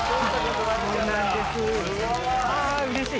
うれしい！